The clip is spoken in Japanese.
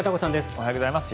おはようございます。